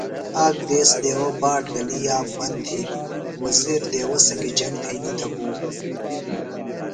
آ دیس دیوہ باٹ گلیۡ یاب بند تِھیلیۡ۔ وزیر دیوہ سنگیۡ جنگ تھئینی تھےۡ گُوم.